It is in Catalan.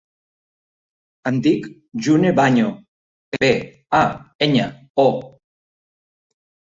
Em dic June Baño: be, a, enya, o.